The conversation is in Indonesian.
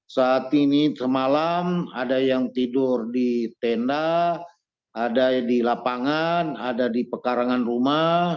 saat ini semalam ada yang tidur di tenda ada di lapangan ada di pekarangan rumah